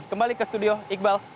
kembali ke studio iqbal